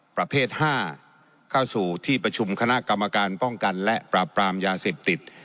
ประเภท๕เข้าสู่ที่ประชุมคณะกรรมการป้องกันและปราบปรามยาเสพติด